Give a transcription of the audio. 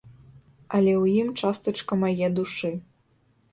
Але ў ім частачка мае душы.